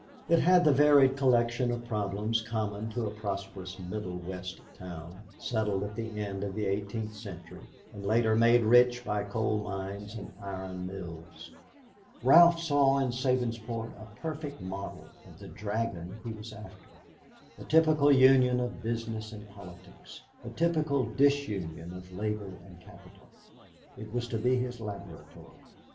It had the varied collection of problems common to a prosperous Middle West town, settled at the end of the eighteenth century, and later made rich by coal mines and iron mills. Ralph saw in Sabinsport a perfect model of the dragon he was after, a typical union of Business and Politics, a typical disunion of labor and capital. It was to be his laboratory.